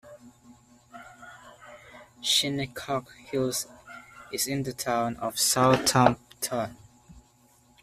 Shinnecock Hills is in the Town of Southampton.